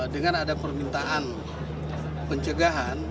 dengan ada permintaan pencegahan